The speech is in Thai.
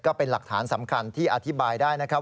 ก็เป็นหลักฐานสำคัญที่อธิบายได้นะครับ